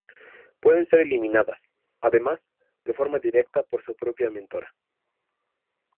Pueden ser eliminadas, además, de forma directa por su propia mentora.